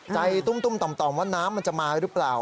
ตุ้มต่อมว่าน้ำมันจะมาหรือเปล่า